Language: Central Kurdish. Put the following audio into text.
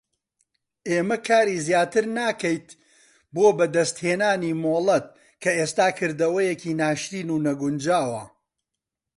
ئێمە کاری زیاتر ناکەیت بۆ بەدەستهێنانی مۆڵەت کە ئێستا کردەوەیەکی ناشرین و نەگونجاوە.